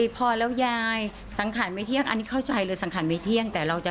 พอแล้วยายสังขารไม่เที่ยง